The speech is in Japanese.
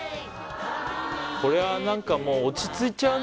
これは何かもう落ち着いちゃうね